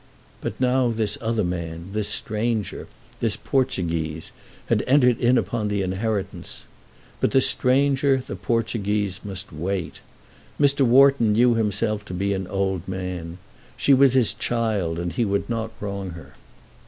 But now this other man, this stranger, this Portuguese, had entered in upon the inheritance. But the stranger, the Portuguese, must wait. Mr. Wharton knew himself to be an old man. She was his child, and he would not wrong her.